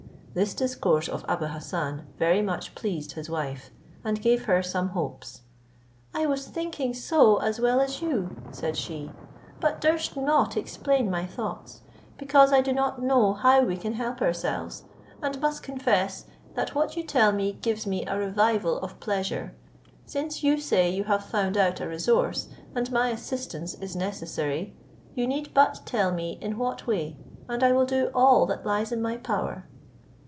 This discourse of Abou Hassan very much pleased his wife, and gave her some hopes. "I was thinking so as well as you," said she; "but durst not explain my thoughts, because I do not know how we can help ourselves; and must confess, that what you tell me gives me a revival of pleasure. Since you say you have found out a resource, and my assistance is necessary, you need but tell me in what way, and I will do all that lies in my power."